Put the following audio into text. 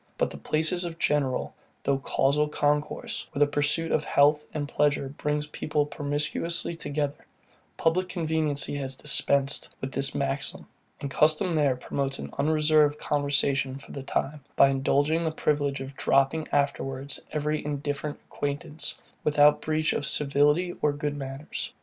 But in places of general, though casual concourse, where the pursuit of health and pleasure brings people promiscuously together, public conveniency has dispensed with this maxim; and custom there promotes an unreserved conversation for the time, by indulging the privilege of dropping afterwards every indifferent acquaintance, without breach of civility or good manners.